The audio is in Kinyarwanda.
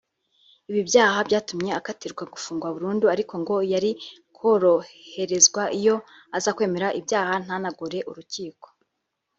Ibi byaha byatumye akatirwa gufungwa burundu ariko ngo yari koroherezwa iyo aza kwemera ibyaha ntanagore urukiko